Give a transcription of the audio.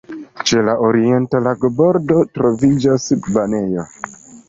Ĉe la orienta lagobordo troviĝas banejo.